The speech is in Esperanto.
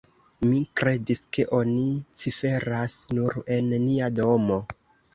Mi kredis, ke oni ciferas nur en nia domo.